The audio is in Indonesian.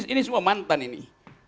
ini semua mantan ini